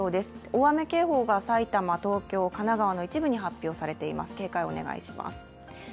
大雨警報が埼玉、東京神奈川の一部に発表されています、警戒をお願いします。